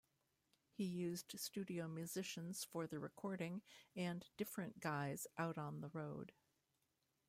He used studio musicians for the recording and different guys out on the road.